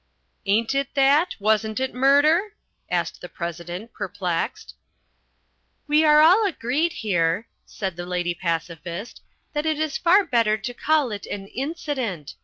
"Ain't it that? Wasn't it murder?" asked the President, perplexed. "We are all agreed here," said The Lady Pacifist, "that it is far better to call it an incident.